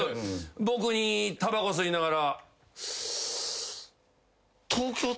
僕にたばこ吸いながら。